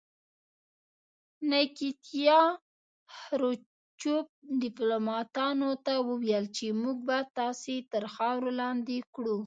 نیکیتیا خروچوف ډیپلوماتانو ته وویل چې موږ به تاسې تر خاورو لاندې کړو